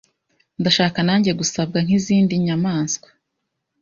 Ndashaka nanjye gusabwa nkizindi nyamaswa